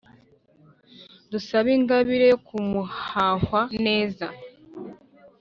dusabe ingabire yo kumuhahwa neza.